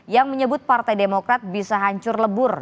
yang menyebut partai demokrat bisa hancur lebur